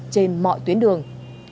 trên mọi tuyến đường